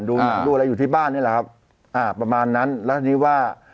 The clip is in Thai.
หนังดูอะไรอยู่ที่บ้านนี่แหละครับอ่าประมาณนั้นแล้วทีนี้ว่า